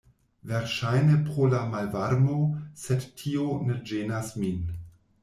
Verŝajne pro la malvarmo, sed tio ne ĝenas min.